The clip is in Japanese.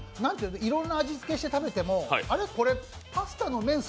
いろんな味つけして食べても、パスタの麺